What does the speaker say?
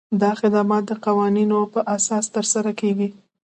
دا خدمات د قانون په اساس ترسره کیږي.